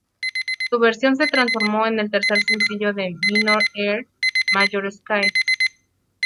Su versión se transformó en el tercer sencillo de "Minor Earth Major Sky".